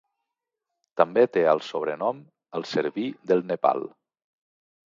També té el sobrenom "el Cerví del Nepal".